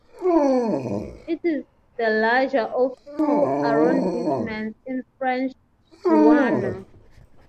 It is the larger of the two arrondissements in French Guiana.